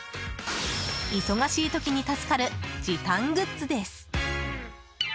忙しい時に助かる時短グッズです。